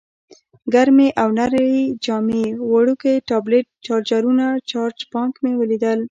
ګرمې او نرۍ جامې، وړوکی ټابلیټ، چارجرونه، چارج بانک مې ولیدل.